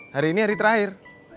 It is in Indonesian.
hari ini hari terakhir